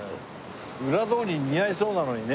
裏通り似合いそうなのにね。